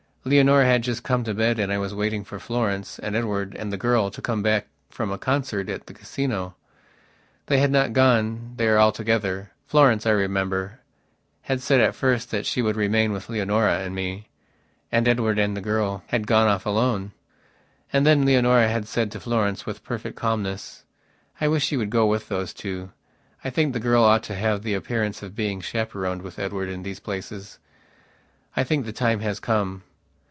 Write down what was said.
Leonora had just gone to bed and I was waiting for Florence and Edward and the girl to come back from a concert at the Casino. They had not gone there all together. Florence, I remember, had said at first that she would remain with Leonora, and me, and Edward and the girl had gone off alone. And then Leonora had said to Florence with perfect calmness: "I wish you would go with those two. I think the girl ought to have the appearance of being chaperoned with Edward in these places. I think the time has come."